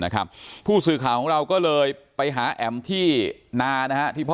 นะครับผู้สื่อข่าวของเราก็เลยไปหาแอ๋มที่นานะฮะที่พ่อ